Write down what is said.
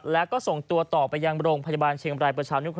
แล้วก็ส่งตัวต่อไปยังโรงพยาบาลเชียงบรายประชานุค